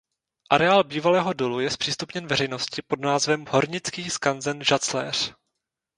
Areál bývalého dolu je zpřístupněn veřejnosti pod názvem Hornický skanzen Žacléř.